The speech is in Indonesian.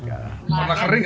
enggak enggak kering